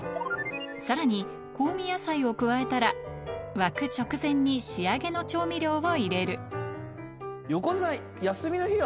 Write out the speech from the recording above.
さらに香味野菜を加えたら沸く直前に仕上げの調味料を入れる横綱。